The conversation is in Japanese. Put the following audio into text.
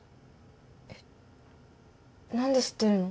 えっ何で知ってるの？